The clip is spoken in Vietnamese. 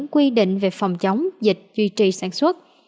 quy định về phòng chống dịch duy trì sản xuất